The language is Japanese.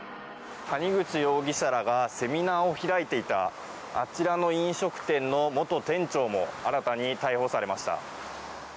谷口容疑者らがセミナーを開いていたあちらの飲食店の元店長も新たに逮捕されました。